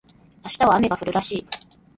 明日は雨が降るらしい